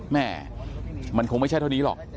แม่มันคงไม่ใช่เท่านี้หรอก